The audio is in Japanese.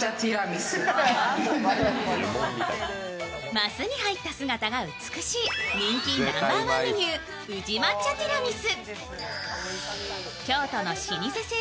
ますに入った姿が美しい人気ナンバーワンメニュー、宇治抹茶ティラミス。